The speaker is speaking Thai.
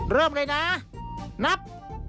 เริ่มเลยนะนับ